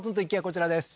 こちらです